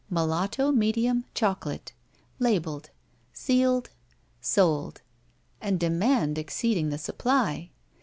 Mulatto, Medium, Choco late. Labeled. Sealed. Sold. And demand exceed ing the supply.